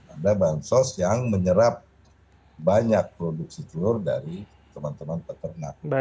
ada bansos yang menyerap banyak produksi telur dari teman teman peternak